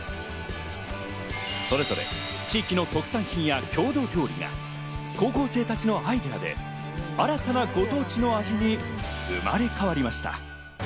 それぞれ地域の特産品や郷土料理が高校生たちのアイデアで、新たなご当地の味に生まれ変わりました。